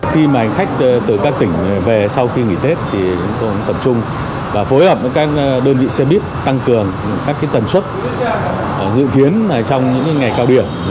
khi mà hành khách từ các tỉnh về sau khi nghỉ tết thì chúng tôi tập trung và phối hợp với các đơn vị xe buýt tăng cường các tần suất dự kiến trong những ngày cao điểm